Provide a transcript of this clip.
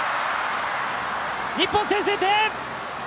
日本先制点！